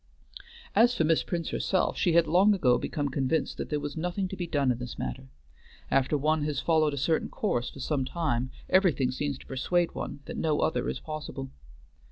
As for Miss Prince herself, she had long ago become convinced that there was nothing to be done in this matter. After one has followed a certain course for some time, everything seems to persuade one that no other is possible.